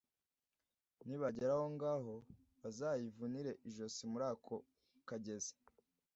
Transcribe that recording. nibagera aho ngaho, bazayivunire ijosi muri ako kagezi.